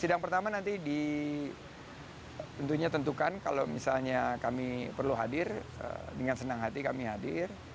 sidang pertama nanti di tentunya tentukan kalau misalnya kami perlu hadir dengan senang hati kami hadir